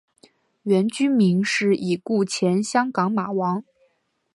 原居民是已故前香港马王。